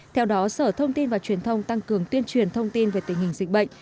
theo đó sở thông tin và truyền thông tăng cường tuyên truyền thông tin về tình hình dịch bệnh